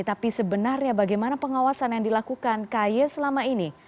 tapi sebenarnya bagaimana pengawasan yang dilakukan kaye selama ini